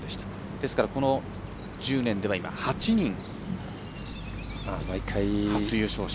ですから、この１０年で今、８人、初優勝者。